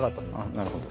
なるほど。